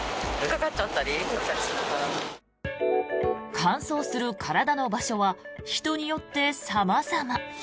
乾燥する体の場所は人によって様々。